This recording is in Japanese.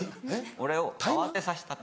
・「俺を慌てさせた」と。